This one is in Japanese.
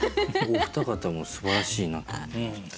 お二方もすばらしいなと思いました。